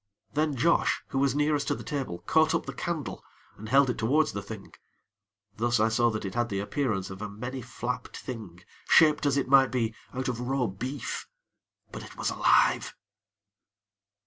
Then Josh, who was nearest to the table, caught up the candle, and held it towards the Thing; thus I saw that it had the appearance of a many flapped thing shaped as it might be, out of raw beef but it was alive.